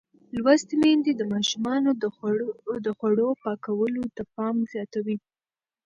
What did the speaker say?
لوستې میندې د ماشومانو د خوړو پاکولو ته پام زیاتوي.